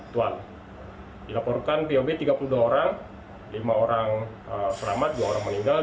dilaporkan bob tiga puluh dua orang lima orang selamat dua orang meninggal